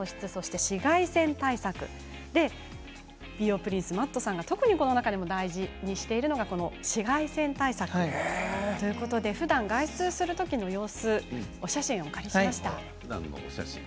美容プリンス、Ｍａｔｔさんが特にこの中で大事にしているのが紫外線対策ということでふだん外出している時のお写真をお借りしました。